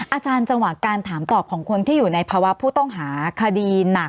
จังหวะการถามตอบของคนที่อยู่ในภาวะผู้ต้องหาคดีหนัก